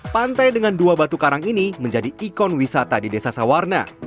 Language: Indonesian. pantai dengan dua batu karang ini menjadi ikon wisata di desa sawarna